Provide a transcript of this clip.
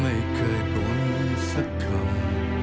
ไม่เคยบุญสักครั้ง